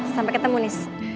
sampai ketemu nis